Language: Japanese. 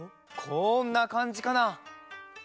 こんなかんじかな？